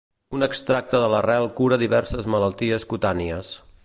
Un extracte de l'arrel cura diverses malalties cutànies.